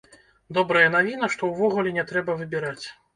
Добрая навіна, што ўвогуле не трэба выбіраць.